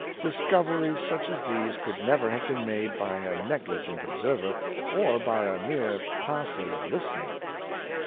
Discoveries such as these could never have been made by a negli gent observer, or by a mere passive listener.